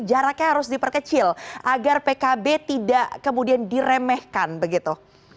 jaraknya harus diperkecil agar pkb tidak kemudian diremehkan begitu